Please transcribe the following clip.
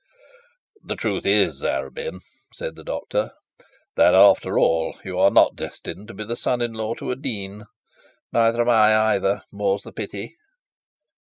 'The truth is, Arabin,' said the doctor, 'that, after all you are not destined to be the son in law to a dean. Nor am I either: more's the pity.'